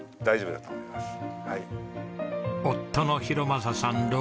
夫の博正さん